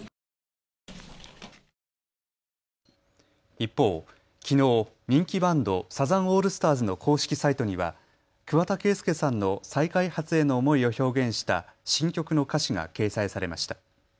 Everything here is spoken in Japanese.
一方、きのう人気バンド、サザンオールスターズの公式サイトには桑田佳祐さんの再開発への思いを表現した新曲の歌詞が掲載されました。